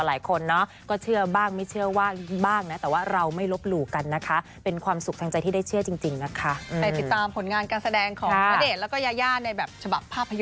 แล้วก็เป็นเรื่องที่เราผูกพันกันอยู่แล้วนะครับ